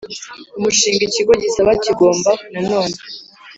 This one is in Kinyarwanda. umushinga Ikigo gisaba kigomba nanone